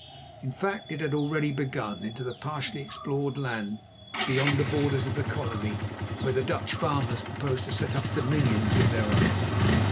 In fact, it had already begun, into the partially explored land beyond the borders of the Colony, where the Dutch farmers proposed to set up dominions of their own.